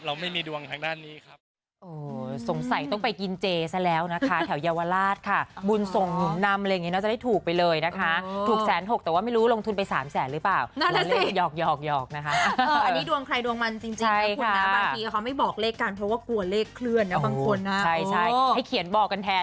ไม่มีดวงทางด้านนี้ครับ